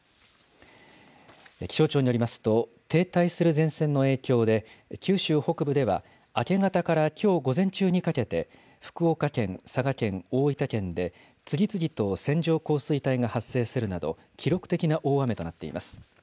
気象庁によりますと、停滞する前線の影響で、九州北部では、明け方からきょう午前中にかけて、福岡県、佐賀県、大分県で、次々と線状降水帯が発生するなど、記録的な大雨となっています。